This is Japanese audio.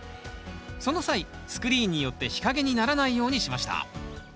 その際スクリーンによって日陰にならないようにしました。